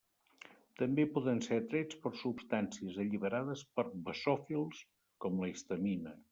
També poder ser atrets per substàncies alliberades pels basòfils com la histamina.